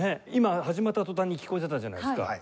今始まった途端に聴こえてたじゃないですか。